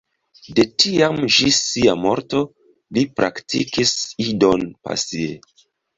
De tiam ĝis sia morto, li praktikis Idon pasie.